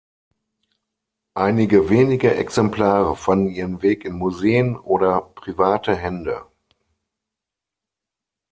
Einige wenige Exemplare fanden ihren Weg in Museen oder private Hände.